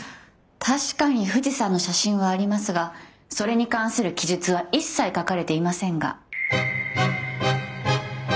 確かに富士山の写真はありますがそれに関する記述は一切書かれていませんが。